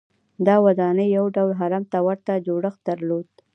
دا ودانۍ یو ډول هرم ته ورته جوړښت درلود.